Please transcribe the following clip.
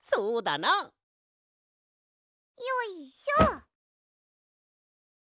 よいしょ！